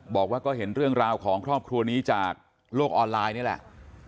บอกว่าก็เห็นเรื่องราวของครอบครัวนี้จากโลกออนไลน์นี่แหละ